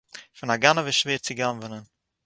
פֿון אַ גנבֿ איז שווער צו גנבֿענען.